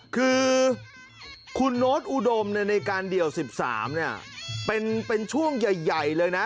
คือคุณโน๊ตอุดมในการเดี่ยว๑๓เป็นช่วงใหญ่เลยนะ